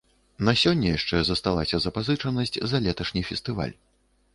На сёння яшчэ засталася запазычанасць за леташні фестываль.